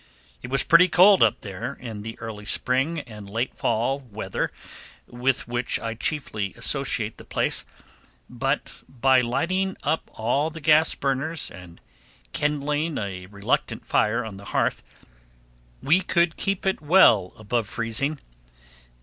It was pretty cold up there in the early spring and late fall weather with which I chiefly associate the place, but by lighting up all the gas burners and kindling a reluctant fire on the hearth we could keep it well above freezing.